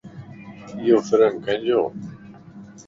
ايو فريم ڪينجووَ